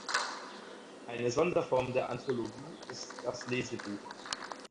Eine Sonderform der Anthologie ist das Lesebuch.